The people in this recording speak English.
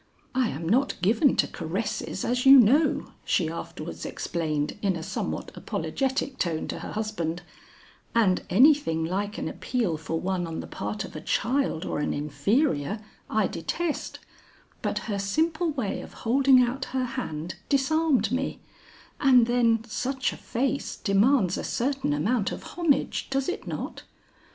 "I am not given to caresses as you know," she afterwards explained in a somewhat apologetic tone to her husband; "and anything like an appeal for one on the part of a child or an inferior, I detest; but her simple way of holding out her hand disarmed me, and then such a face demands a certain amount of homage, does it not?"